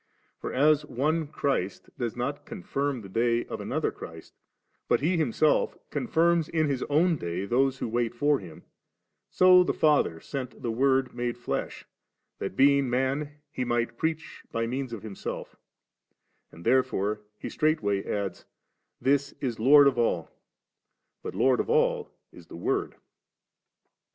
For as one Christ does not confirm the day of another Christ, but He Himself con firms in His own day those who wait for Him, so the Father sent the Word made flesh, that being made man He might preach by means of Himself And therefore he straightway adds, 'This is Lord of all;' but Lord of all is the Word 31.